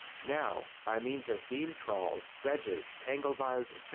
Now by means of beam trawls, dredges, tangle bars, etc.